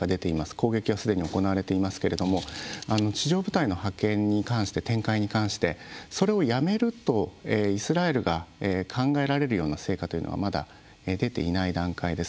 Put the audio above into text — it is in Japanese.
攻撃はすでに行われていますが地上部隊の展開に関してそれをやめるとイスラエルが考えられるような成果というのがまだ、出ていない段階です。